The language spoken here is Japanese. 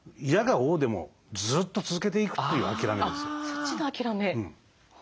そっちの諦め。